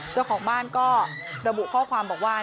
เจ้าของบ้านก็ระบุข้อความบอกว่า